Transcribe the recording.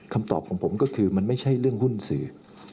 คำตอบของผมก็คือมันไม่ใช่เรื่องหุ้นสื่อ